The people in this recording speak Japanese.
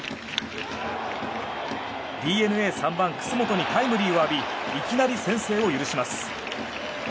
ＤｅＮＡ３番、楠本にタイムリーを浴びいきなり先制を許します。